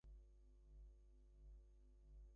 You are then skipped on your next turn.